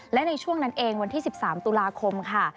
และในช่วงนั้นเองวันที่๑๓ตุลาคมค่ะ